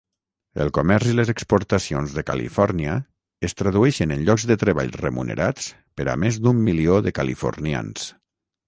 El comerç i les exportacions de Califòrnia es tradueixen en llocs de treball remunerats per a més d'un milió de californians.